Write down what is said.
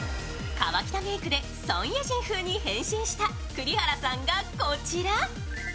河北メイクでソン・イェジン風に変身した栗原さんがこちら。